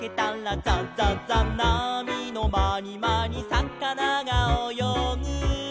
「なみのまにまにさかながおよぐ」